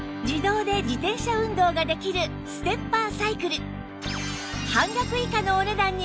自動で自転車運動ができるステッパーサイクル